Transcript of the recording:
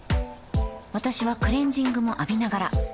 私はクレジングも浴びながら